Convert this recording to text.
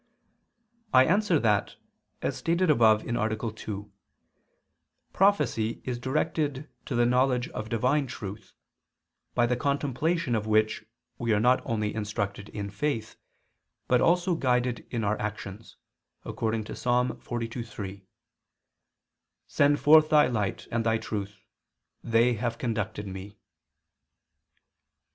I answer that, As stated above (A. 2), prophecy is directed to the knowledge of Divine truth, by the contemplation of which we are not only instructed in faith, but also guided in our actions, according to Ps. 42:3, "Send forth Thy light and Thy truth: they have conducted me."